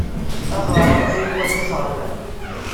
Aɣrem-a yuɣal d ixerban.